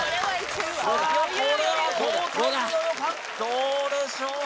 どうでしょう？